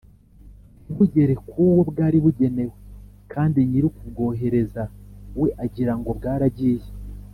ntibugere ku wo bwari bugenewe kandi nyiri ukubwohereza we agira ngo bwaragiye